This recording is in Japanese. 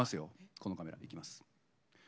このカメラでいきます。